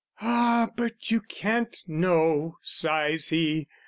"Ah, "But you can't know!" sighs he.